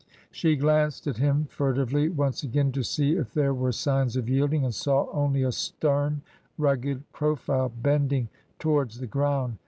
She glanced at him furtively once again to see if there were signs of yielding, and saw only a stern, rugged profile bending towards the ground.